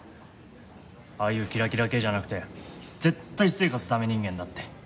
ああいうキラキラ系じゃなくて絶対私生活ダメ人間だって。